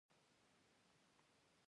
راکټ د اټومي وسلو انتقالونکی هم شي